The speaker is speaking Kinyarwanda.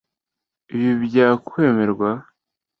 Ibi byakwemerwa?